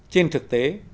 trên thực tế